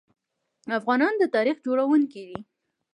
افغانان د تاریخ جوړونکي دي.